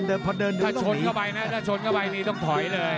ถ้าชนเข้าไปนะถ้าชนเข้าไปต้องถอยเลย